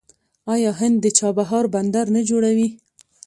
آیا هند د چابهار بندر نه جوړوي؟